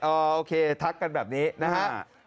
โอเคทักกันแบบนี้นะฮะ